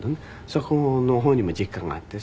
そこの方にも実家があって。